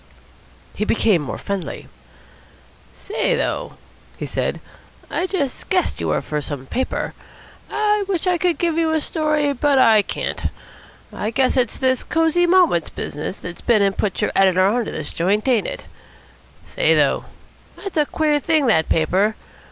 He became more friendly. "Say, though," he said, "I just guessed you were from some paper. I wish I could give you a story, but I can't. I guess it's this Cosy Moments business that's been and put your editor on to this joint, ain't it? Say, though, that's a queer thing, that paper.